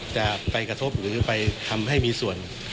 จะไปกระทบหรือไปทำให้มีส่วน